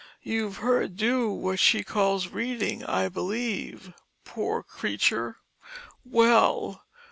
You've heard her do what she calls reading, I believe. Poor Creature! Well!